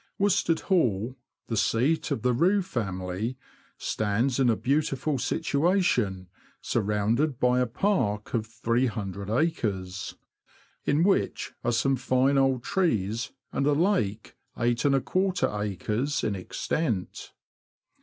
Worstead Hall, the seat of the Rous family, stands in a beautiful situation, surrounded by a park of 300 acres, in which are some fine old trees, and a lake 85 acres in extent.